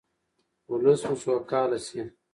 ولس مو سوکاله شي.